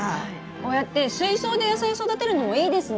こうやって水槽で野菜育てるのもいいですね！